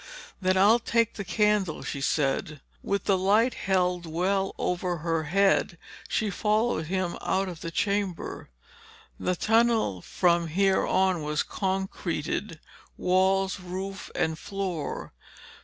"Then I'll take the candle," she said. With the light held well over her head, she followed him out of the chamber. The tunnel from here on was concreted, walls, roof and floor.